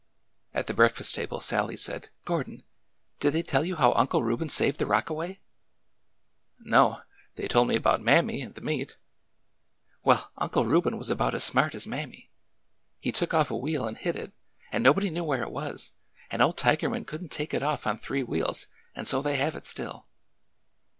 At the breakfast table Sallie said : Gordon, did they tell you how Uncle Reuben saved the rockaway ?"'' No. They told me about Mammy and the meat." Well, Uncle Reuben was about as smart as Mammy. He took off a wheel and hid it, and nobody knew where it was, and old Tigerman could n't take it off on three wheels, and so they have it still."